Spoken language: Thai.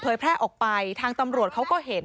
แพร่ออกไปทางตำรวจเขาก็เห็น